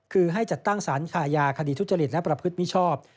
คือให้จัดตั้งสารคายาคดีทุจริตและประพฤติมิชชอบ